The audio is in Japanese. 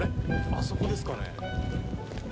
あそこですかね？